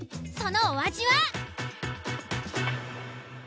そのお味は？